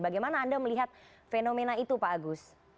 bagaimana anda melihat fenomena itu pak agus